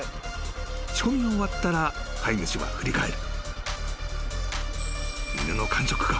［仕込みが終わったら飼い主は振り返る］